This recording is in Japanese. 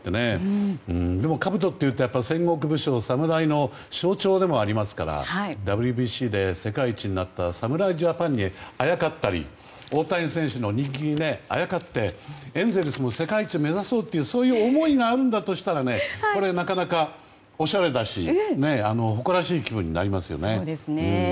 でも、かぶとというと戦国武将侍の象徴でもありますからＷＢＣで世界一になった侍ジャパンにあやかったり大谷選手の人気にあやかってエンゼルスも世界一を目指そうというそういう思いがあるんだとしたらなかなか、おしゃれだし誇らしい気分になりますよね。